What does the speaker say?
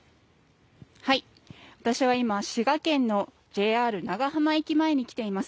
私は今、滋賀県のＪＲ長浜駅前に来ています。